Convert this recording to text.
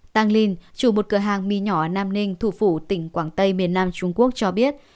tăng linh chủ một cửa hàng mi nhỏ ở nam ninh thủ phủ tỉnh quảng tây miền nam trung quốc cho biết